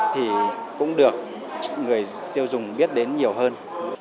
thì cũng được người tiêu dùng biết đến nhiều hơn